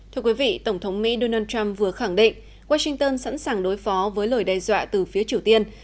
thưa quý vị tổng thống mỹ donald trump vừa khẳng định washington sẵn sàng đối phó với lời đe dọa từ phía triều tiên